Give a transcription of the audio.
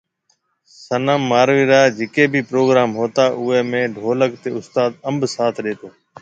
صنم ماروي را جڪي ڀي پروگرام ھوتا اوئي ۾ ڍولڪ تي اُستاد انب ساٿ ڏيتو